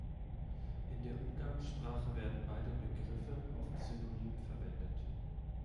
In der Umgangssprache werden beide Begriffe oft synonym verwendet.